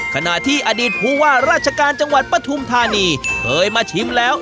ขณะที่ว่าราชการจังหวัดปะทุมธานีเคยมาชิมแล้ว